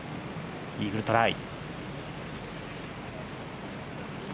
イーグルトライ。